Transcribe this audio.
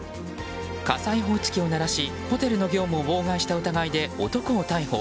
火災報知機を鳴らしホテルの業務を妨害した疑いで男を逮捕。